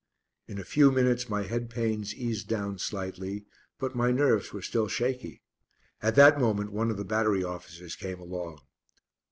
In a few minutes my head pains eased down slightly, but my nerves were still shaky. At that moment one of the battery officers came along.